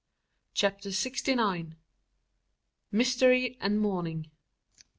CHAPTER SIXTY NINE. MYSTERY AND MOURNING.